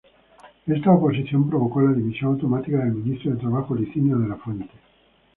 Esta oposición provocó la dimisión automática del ministro de Trabajo, Licinio de la Fuente.